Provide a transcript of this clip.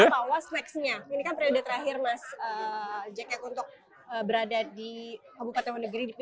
apa was next nya ini kan periode terakhir mas jacky untuk berada di kabupaten onegiri